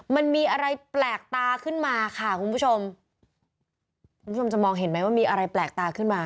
มันมีอะไรแปลกตาขึ้นมาค่ะคุณผู้ชมคุณผู้ชมจะมองเห็นไหมว่ามีอะไรแปลกตาขึ้นมา